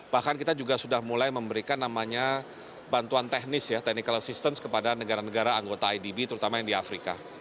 bahkan kita juga sudah mulai memberikan namanya bantuan teknis ya technical assistance kepada negara negara anggota idb terutama yang di afrika